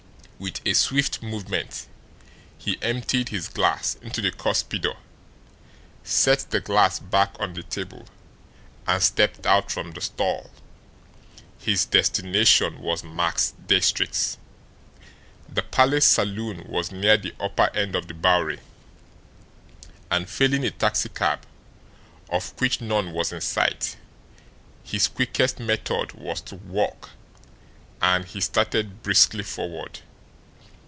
With a swift movement he emptied his glass into the cuspidor, set the glass back on the table, and stepped out from the stall. His destination was Max Diestricht's. The Palace Saloon was near the upper end of the Bowery, and, failing a taxicab, of which none was in sight, his quickest method was to walk, and he started briskly forward.